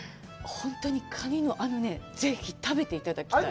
本当にカニの、あのね、ぜひ食べていただきたい。